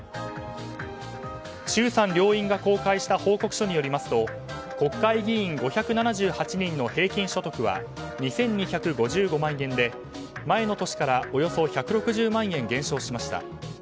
衆参両院が公開した報告書によりますと国会議員５７８人の平均所得は２２５５万円で前の年からおよそ１６０万円減少しました。